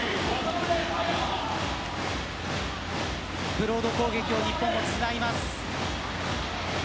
ブロード攻撃を日本が使います。